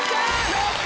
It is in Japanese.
やった！